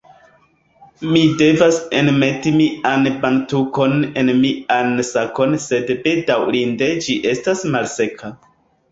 Mi devas enmeti mian bantukon en mian sakon sed bedaŭrinde ĝi estas malseka